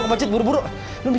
jangan disebut oleh lu forget it